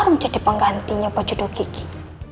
garong jadi penggantinya pojodoh kiki